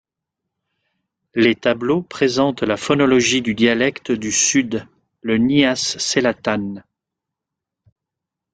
Les tableaux présentent la phonologie du dialecte du Sud, le nias selatan.